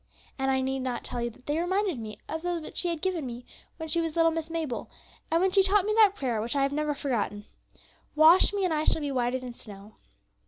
And I need not tell you that they reminded me of those which she had given me when she was little Miss Mabel, and when she taught me that prayer which I have never forgotten, 'Wash me, and I shall be whiter than snow.'